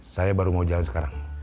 saya baru mau jalan sekarang